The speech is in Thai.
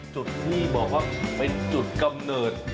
จุดที่บอกว่าเป็นจุดกำเนิด